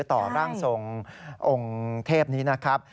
ต่อร่างทรงองค์เทพนี้นะครับ